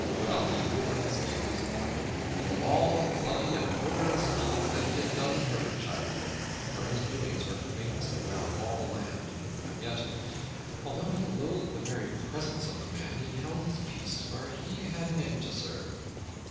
Well he knew of this Guy of Gisbourne, and of all the bloody and murderous deeds that he had done in Herefordshire, for his doings were famous throughout all the land. Yet, although he loathed the very presence of the man, he held his peace, for he had an end to serve.